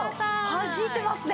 はじいてますね！